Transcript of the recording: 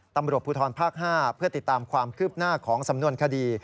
ตำรวจภูทรภาค๕เพื่อติดตามความคืบหน้าของสำนวนคดี